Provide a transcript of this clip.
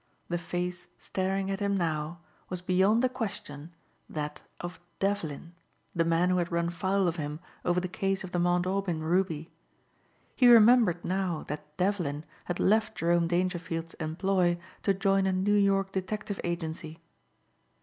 The face staring at him now was beyond a question that of Devlin, the man who had run foul of him over the case of the Mount Aubyn ruby. He remembered now that Devlin had left Jerome Dangerfield's employ to join a New York detective agency.